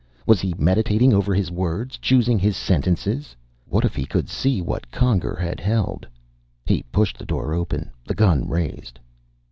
Was he meditating over his words, choosing his sentences? What if he could see what Conger had held! He pushed the door open, the gun raised.